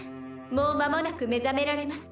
もう間もなく目覚められます。